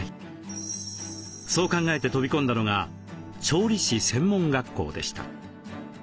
そう考えて飛び込んだのが調理師専門学校でした。